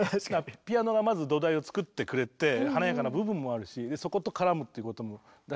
ピアノがまず土台を作ってくれて華やかな部分もあるしそこと絡むっていうこともだし